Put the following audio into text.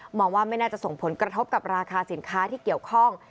มองว่าไม่น่าจะส่งผลกระทบกับราคาสินค้าที่เกี่ยวข้อง